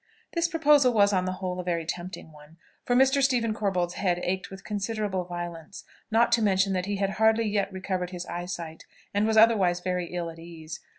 This proposal was, on the whole, a very tempting one; for Mr. Stephen Corbold's head ached with considerable violence, not to mention that he had hardly yet recovered his eyesight, and was otherwise very ill at ease.